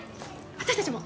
私たちも！